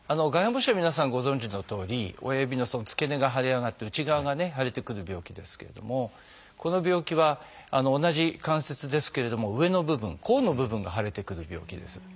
外反母趾は皆さんご存じのとおり親指の付け根が腫れ上がって内側がね腫れてくる病気ですけれどもこの病気は同じ関節ですけれども上の部分甲の部分が腫れてくる病気です。